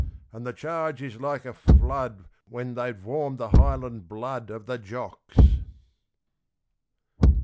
And the charge is like a flood When they've warmed the Highland blood Of the Jocks!